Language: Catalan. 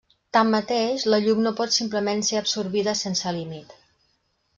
Tanmateix, la llum no pot simplement ser absorbida sense límit.